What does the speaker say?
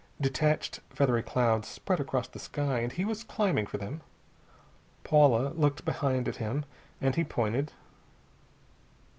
Detached, feathery clouds spread across the sky, and he was climbing for them. Paula looked behind at him, and he pointed.